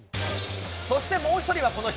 そしてもう１人はこの人。